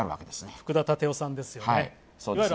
福田赳夫さんですよね。